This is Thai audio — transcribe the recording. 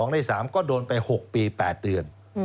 ใน๓ก็โดนไป๖ปี๘เดือน